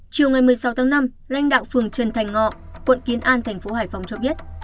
chiều ngày một mươi sáu tháng năm lãnh đạo phường trần thành ngọ quận kiến an thành phố hải phòng cho biết